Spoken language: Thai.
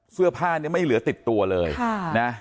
เสื้อผ้าเนี่ยไม่เหลือติดตัวเลยนะ